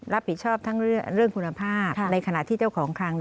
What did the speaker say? รับผิดชอบทั้งเรื่องคุณภาพในขณะที่เจ้าของคลัง